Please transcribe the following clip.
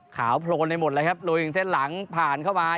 ขาวโพลนไปหมดเลยครับลุยเส้นหลังผ่านเข้ามา